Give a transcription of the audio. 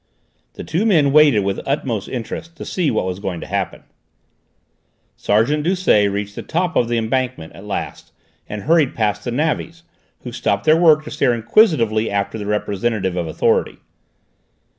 The two men waited with utmost interest to see what was going to happen. Sergeant Doucet reached the top of the embankment at last and hurried past the navvies, who stopped their work to stare inquisitively after the representative of authority.